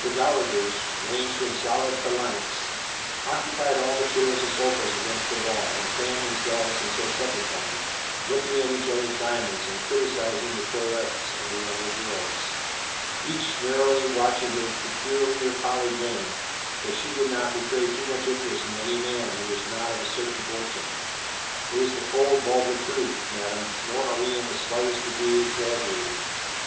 The dowagers, ranged in solid phalanx, occupied all the chairs and sofas against the wall, and fanned themselves until supper time, looking at each other's diamonds, and criticizing the toilettes of the younger ladies, each narrowly watching her peculiar Polly Jane, that she did not betray too much interest in any man who was not of a certain fortune. It is the cold, vulgar truth, madam, nor are we in the slightest degree exaggerating.